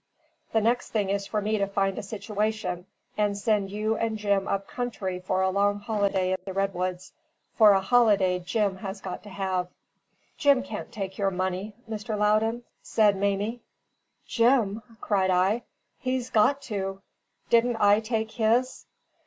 The next thing is for me to find a situation, and send you and Jim up country for a long holiday in the redwoods for a holiday Jim has got to have." "Jim can't take your money, Mr. Loudon," said Mamie. "Jim?" cried I. "He's got to. Didn't I take his?"